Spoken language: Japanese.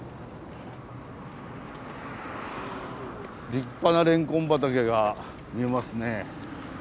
立派なレンコン畑が見えますね。